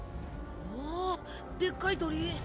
わあでっかい鳥。